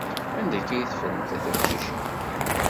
Anda akka i teffremt a tiqcicin?